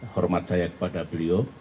hormat saya kepada beliau